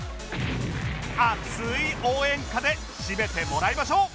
熱い応援歌で締めてもらいましょう！